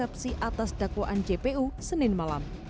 dari persepsi atas dakwaan cpu senin malam